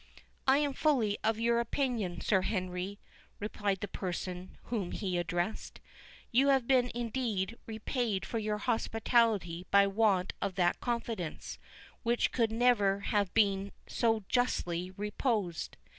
"I am fully of your opinion, Sir Henry," replied the person whom he addressed. "You have been, indeed, repaid for your hospitality by want of that confidence, which could never have been so justly reposed.